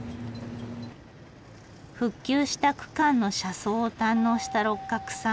復旧した区間の車窓を堪能した六角さん。